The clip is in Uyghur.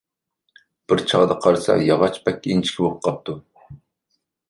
بىر چاغدا قارىسا، ياغاچ بەك ئىنچىكە بولۇپ قاپتۇ.